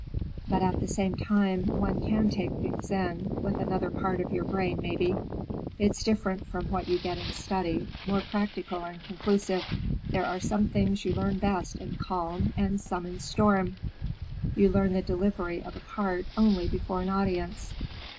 But at the same time, one can take things in—with another part of your brain, maybe. It's different from what you get in study, more practical and conclusive. There are some things you learn best in calm, and some in storm. You learn the delivery of a part only before an audience."